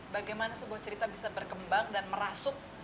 bagaimana sebuah cerita bisa berkembang dan merasuk